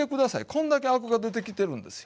こんだけアクが出てきてるんですよ。